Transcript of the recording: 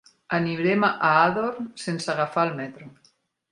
Anirem a Ador sense agafar el metro.